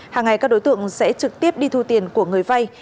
hàng ngày các đối tượng sẽ trực tiếp đi thu tiền của người vay